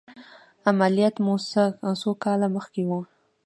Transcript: عملیات مو څو کاله مخکې و؟